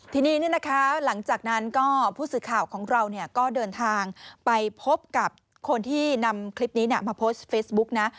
ทีนี้หลังจากนั้นก็ผู้สื่อข่าวของเราก็เดินทางไปพบกับคนที่นำคลิปนี้มาโพสต์เฟซบุ๊กนะ